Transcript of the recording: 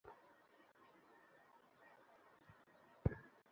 ফলে আন্তর্জাতিক বাণিজ্য বিঘ্নমুক্ত রাখতে ট্যারিফ কমিশনকে শক্তিশালী করার বিকল্প নেই।